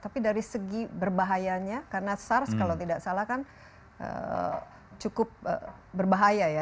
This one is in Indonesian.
tapi dari segi berbahayanya karena sars kalau tidak salah kan cukup berbahaya ya